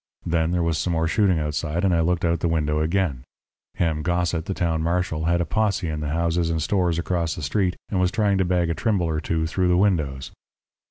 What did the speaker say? Then there was some more shooting outside, and I looked out the window again. Ham Gossett, the town marshal, had a posse in the houses and stores across the street, and was trying to bag a Trimble or two through the windows.